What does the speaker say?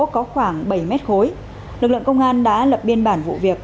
có khoảng bảy mét khối lực lượng công an đã lập biên bản vụ việc